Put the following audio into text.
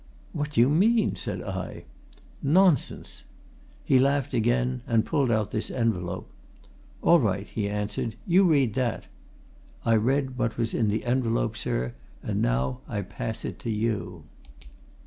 'What do you mean?' said I. 'Nonsense!' He laughed again, and pulled out this envelope. 'All right,' he answered. 'You read that!' I read what was in the envelope, sir and I now pass it to you!"